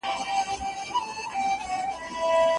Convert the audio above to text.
نو ناهیلی کېږي مه.